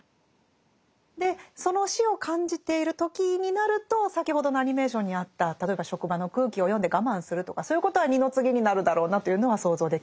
でその死を感じている時になると先ほどのアニメーションにあった例えば職場の空気を読んで我慢するとかそういうことは二の次になるだろうなというのは想像できますね。